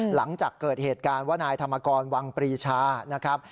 หลังจากเกิดเหตุการณ์ว่านายธรรมกรวังปรีชานะครับ